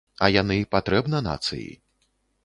А яны патрэбна нацыі.